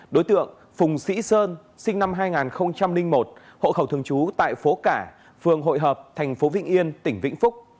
đối tượng phùng sĩ sơn sinh năm hai nghìn một hộ khẩu thường trú tại phố cả phường hội hợp thành phố vĩnh yên tỉnh vĩnh phúc